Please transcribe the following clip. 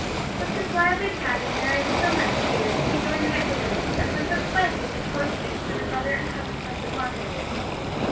With this lively chatting, Mary was so much cheered, that she joined them at dinner, and partook slightly of the choice bits that her brother and cousin pressed upon her.